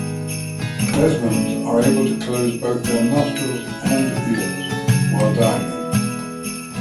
Desmans are able to close both their nostrils and ears while diving.